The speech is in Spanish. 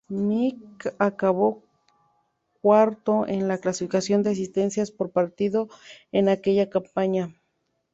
Mike acabó cuarto en la clasificación de asistencias por partido en aquella campaña.